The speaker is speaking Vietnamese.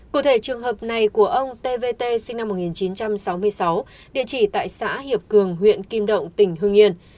cụ thể trường hợp này của ông tvt sinh năm một nghìn chín trăm sáu mươi sáu địa chỉ tại xã hiệp cường huyện kim động tỉnh hương yên